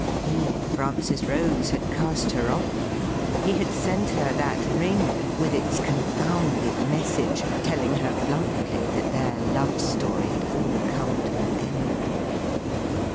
He, Francis Rose, had cast her off; he had sent her that ring, with its confoimded message telling her bluntly that their love story had all come to an end.